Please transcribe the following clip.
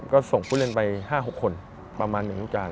ก็ส่งผู้เล่นไป๕๖คนประมาณ๑วิจารณ